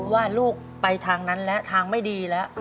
ว่าลูกไปทางนั้นและทางไม่ดีแล้ว